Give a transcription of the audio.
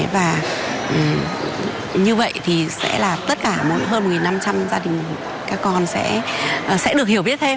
và như vậy thì sẽ là tất cả hơn một năm trăm linh gia đình các con sẽ được hiểu biết thêm